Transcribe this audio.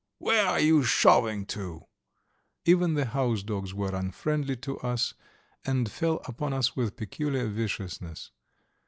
"Where are you shoving to?" Even the housedogs were unfriendly to us, and fell upon us with peculiar viciousness.